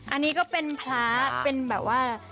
อันนี้ก็เป็นพระเป็นแบบว่า